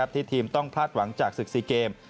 ทีมต้องพลาดหวังจากศึก๔เกม